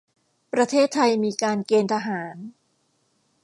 ประเทศไทยมีการเกณฑ์ทหาร